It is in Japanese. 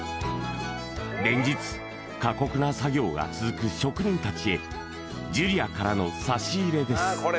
連日過酷な作業が続く職人たちへジュリアからの差し入れです